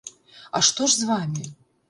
А што ж з вамі?